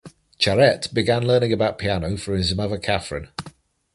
Charette began learning about piano from his mother Catherine.